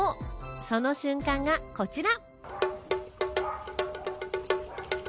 その瞬間がこちら。